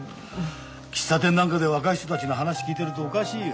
喫茶店なんかで若い人たちの話聞いてるとおかしいよ。